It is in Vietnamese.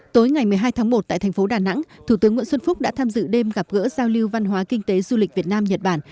tối ngày một mươi hai tháng một tại thành phố đà nẵng thủ tướng nguyễn xuân phúc đã tham dự đêm gặp gỡ giao lưu văn hóa kinh tế du lịch việt nam nhật bản